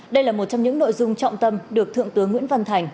đây là một trong những nội dung trọng tâm được thượng tướng nguyễn văn thành